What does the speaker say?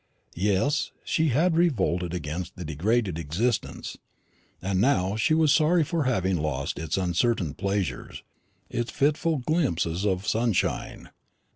Yes, she had revolted against the degraded existence; and now she was sorry for having lost its uncertain pleasures, its fitful glimpses of sunshine.